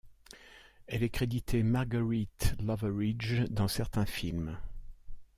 Elle est créditée Marguerite Loveridge dans certains films.